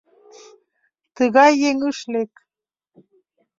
Тыгай еҥ ыш лек.